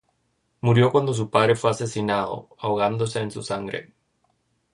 Murió cuando su padre fue asesinado, ahogándose en su sangre.